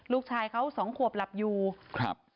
ลูกชายเขาสองขวบหลับอยู่ครับ